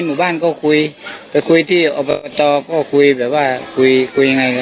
หมู่บ้านก็คุยไปคุยที่อบตก็คุยแบบว่าคุยคุยยังไง